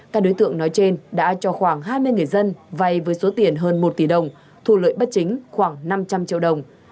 các đối tượng nói trên đã cho khoảng hai mươi người dân vay với số tiền hơn một tỷ đồng thu lợi bất chính khoảng năm trăm linh triệu đồng